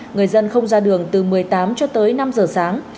người dân không ra đường từ một mươi tám cho tới năm giờ sáng